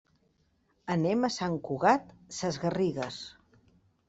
Anem a Sant Cugat Sesgarrigues.